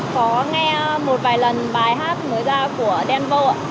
có nghe một vài lần bài hát mới ra của dan gold